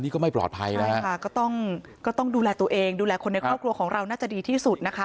ก็ต้องดูแลตัวเองดูแลคนในครอบครัวของเราน่าจะดีที่สุด